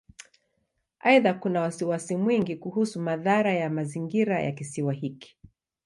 Aidha, kuna wasiwasi mwingi kuhusu madhara ya mazingira ya Kisiwa hiki.